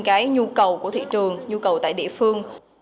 cái nhu cầu của thị trường nhu cầu tại địa phương